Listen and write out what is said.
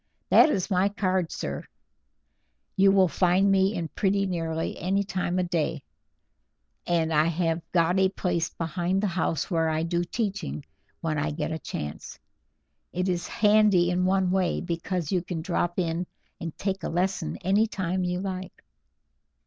That is my card, sir; you will find me in pretty nearly any time of the day, and I have got a place behind the house where I do teaching when I get a chance. It is handy in one way, because you can drop in and take a lesson any time you like."